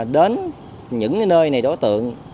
đến những nơi này đối tượng